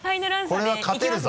これは勝てるぞ。